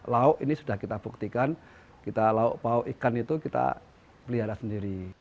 lauk ini sudah kita buktikan kita lauk pauk ikan itu kita pelihara sendiri